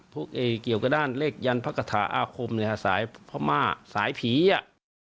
พวกเกี่ยวกับด้านเลขยันภกษาอาคมเนี่ยสายพระม่าสายผีอ่ะ